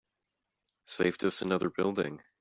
Saved us another building.